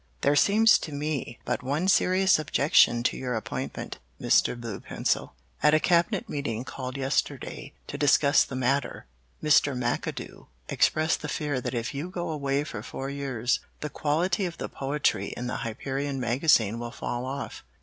There seems to be but one serious objection to your appointment, Mr. Bluepencil. At a Cabinet meeting called yesterday to discuss the matter, Mr. McAdoo expressed the fear that if you go away for four years the quality of the poetry in the Hyperion Magazine will fall off.